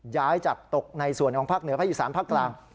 ย้ายจากตกในส่วนของภาคเหนือภาคอีสานภาคกลาง